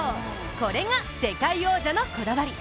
これが世界王者のこだわり。